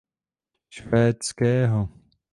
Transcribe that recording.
Švédského.